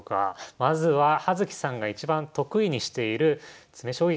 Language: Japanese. まずは葉月さんが一番得意にしている詰将棋から出題します。